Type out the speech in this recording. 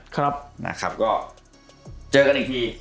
ครับนะครับนะครับก็เจอกันอีกที